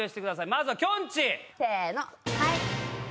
まずはきょんちぃ。